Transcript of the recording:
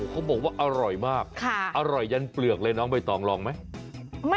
เขาบอกว่าอร่อยมากอร่อยยันเปลือกเลยน้องใบตองลองไหม